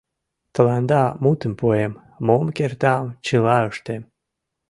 Тыланда мутым пуэм: мом кертам — чыла ыштем.